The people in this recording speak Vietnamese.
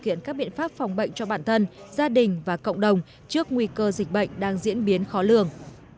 kiện các biện pháp phòng bệnh cho bản thân gia đình và cộng đồng trước nguy cơ dịch bệnh đang diễn biến khó lường